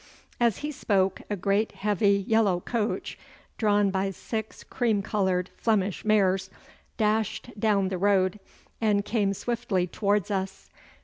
As he spoke a great heavy yellow coach, drawn by six cream coloured Flemish mares, dashed down the road, and came swiftly towards us.